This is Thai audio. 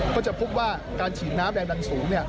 ก็จะพบว่าการฉีดน้ำแรงดันสูง